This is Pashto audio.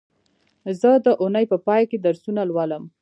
زه د اونۍ په پای کې درسونه لولم